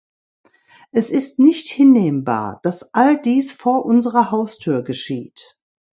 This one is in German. Es ist nicht hinnehmbar, dass all dies vor unserer Haustür geschieht.